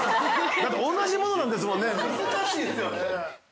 ◆だって同じものなんですもんね、難しいですよね。